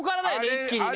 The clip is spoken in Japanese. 一気にね。